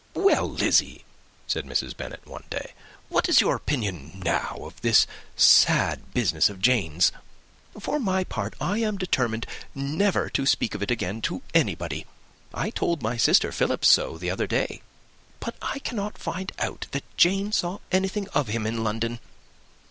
"Well, Lizzy," said Mrs. Bennet, one day, "what is your opinion now of this sad business of Jane's? For my part, I am determined never to speak of it again to anybody. I told my sister Philips so the other day. But I cannot find out that Jane saw anything of him in London.